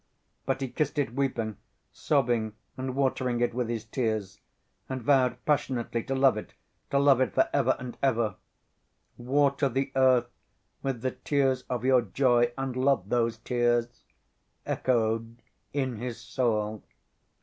But he kissed it weeping, sobbing and watering it with his tears, and vowed passionately to love it, to love it for ever and ever. "Water the earth with the tears of your joy and love those tears," echoed in his soul.